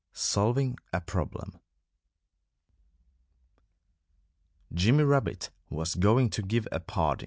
XX SOLVING A PROBLEM Jimmy Rabbit was going to give a party.